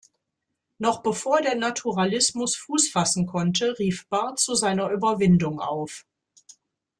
Noch bevor der Naturalismus Fuß fassen konnte, rief Bahr zu seiner Überwindung auf.